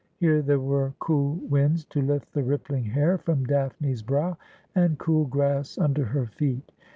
Here there were cool winds to lift the rippling hair from Daphne's brow, and cool grass under her feet.